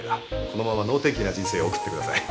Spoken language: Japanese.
このまま能天気な人生を送ってください。